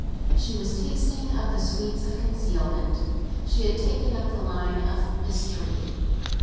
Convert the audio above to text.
She was tasting of the sweets of concealment; she had taken up the line of mystery.